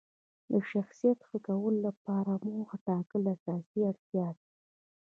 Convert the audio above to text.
د شخصیت ښه کولو لپاره موخه ټاکل اساسي اړتیا ده.